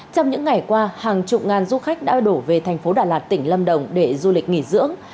trong những ngày qua hàng chục ngàn du khách đã đổ về thành phố đà lạt tỉnh lâm đồng để du lịch nghỉ dưỡng